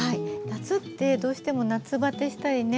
夏ってどうしても夏バテしたりね